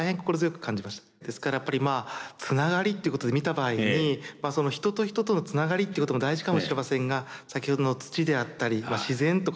ですからやっぱりつながりということで見た場合にその人と人とのつながりってことも大事かもしれませんが先ほどの土であったり自然とかですね